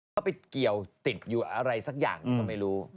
เขาไปเกี่ยวติดอยู่อะไรสักอย่างก็ไม่รู้